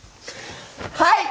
はい！